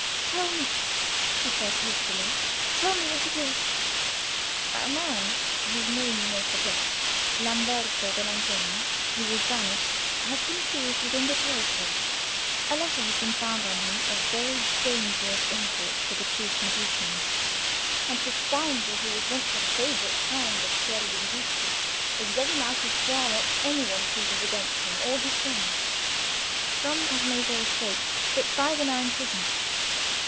"Tell me," she said, hastily—"tell me what it is." "A man, whose name you may forget—Lamberto dell' Antella—who was banished, has been seized within the territory: a letter has been found on him of very dangerous import to the chief Mediceans, and the scoundrel, who was once a favourite hound of Piero de' Medici, is ready now to swear what any one pleases against him or his friends. Some have made their escape, but five are now in prison."